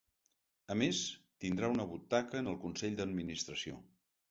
A més, tindrà una butaca en el consell d’administració.